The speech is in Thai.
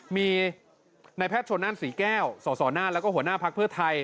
มีนายแพทย์ชนนั่นศรีแก้วสสนั่นแล้วก็หัวหน้าพักเพื่อไทย